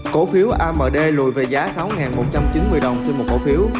cổ phiếu amd lùi về giá sáu một trăm chín mươi đồng trên một cổ phiếu